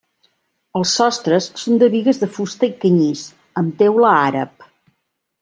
Els sostres són de bigues de fusta i canyís amb teula àrab.